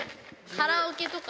カラオケとか。